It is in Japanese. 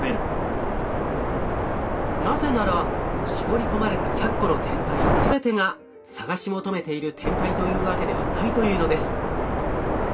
なぜなら絞り込まれた１００個の天体全てが探し求めている天体というわけではないというのです。